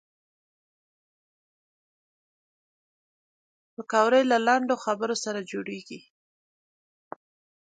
پکورې له لنډو خبرو سره جوړېږي